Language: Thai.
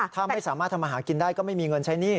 ถ้าไม่สามารถทำอาหารกินได้ก็ไม่มีเงินใช้หนี้